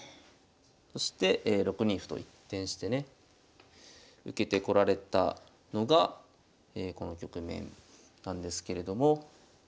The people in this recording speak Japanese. そして６二歩と一転してね受けてこられたのがこの局面なんですけれども。